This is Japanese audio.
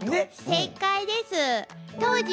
正解です。